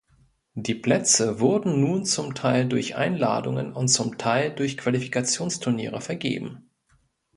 Die Plätze wurden nun zum Teil durch Einladungen und zum Teil durch Qualifikationsturniere vergeben.